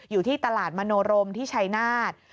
อยู่ที่ตลาดมโนรมที่ชัยนาธ